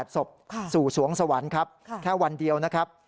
ศพสู่สวงสวรรค์ครับแค่วันเดียวนะครับ